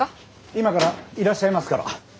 今からいらっしゃいますから。